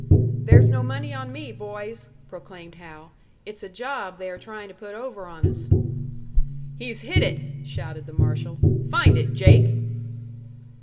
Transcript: "There's no money on me, boys!" proclaimed Hal. "It's a job they are trying to put over on us." "He's hid it!" shouted the marshal. "Find it, Jake!"